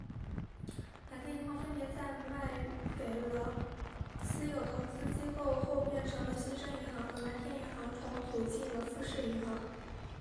两家银行分别在被卖给私有投资机构后变成了新生银行和蓝天银行重组进了富士银行。